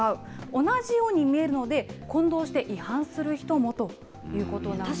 同じように見えるので、混同して違反する人もということなんです。